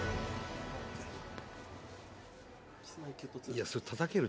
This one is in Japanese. いやそれたたける？